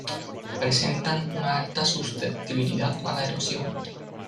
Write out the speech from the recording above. Presentan una alta susceptibilidad a la erosión.